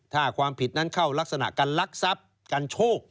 ถ้าความผิดนั้นเข้ารักษณะการลักทรัพย์กันโชค